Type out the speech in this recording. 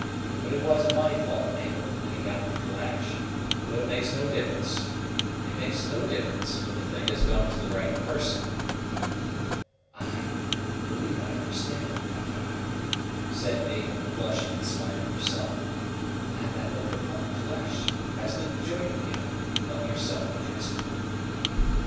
But it was my fault, Mabel, that he got the calash; though it makes no difference it makes no difference, for the thing has gone to the right person." "I believe I understand you, Pathfinder," said Mabel, blushing in spite of herself, "and I look upon the calash as the joint gift of yourself and Jasper."